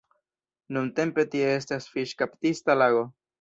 Nuntempe tie estas fiŝkaptista lago.